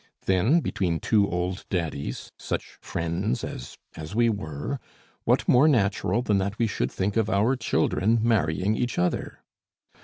"Then between two old daddies, such friends as as we were, what more natural than that we should think of our children marrying each other?